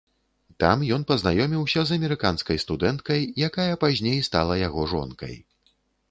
Там ён пазнаёміўся з амерыканскай студэнткай, якая пазней стала яго жонкай.